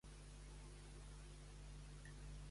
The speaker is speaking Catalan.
I a la Unió de Xiques?